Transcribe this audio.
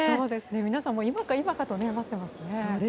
皆さん、今か今かと待っていますね。